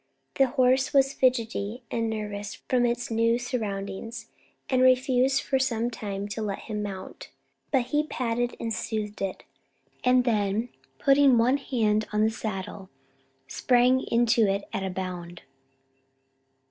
The horse was fidgety and nervous from its new surroundings, and refused for some time to let him mount; but he patted and soothed it, and then putting one hand on the saddle, sprang into it at a bound.